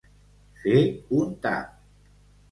Fer un tap.